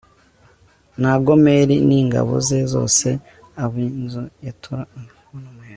na gomeri n ingabo ze zose ab inzu ya togaruma